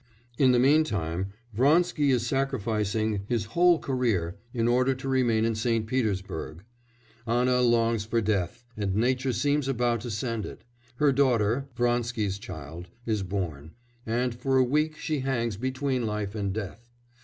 In the meantime Vronsky is sacrificing his whole career in order to remain in St. Petersburg. Anna longs for death, and nature seems about to send it; her daughter Vronsky's child is born, and for a week she hangs between life and death.